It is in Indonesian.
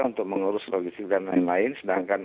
untuk mengurus logistik dan lain lain sedangkan